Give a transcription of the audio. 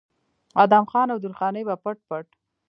ادم خان او درخانۍ به پټ پټ